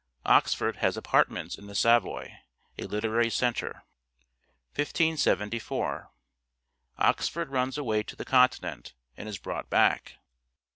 Oxford has apartments in the Savoy : a literary centre. 1574. Oxford runs away to the continent and is brought back.